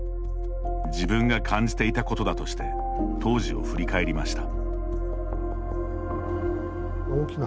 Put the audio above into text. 自分が感じていたことだとして当時を振り返りました。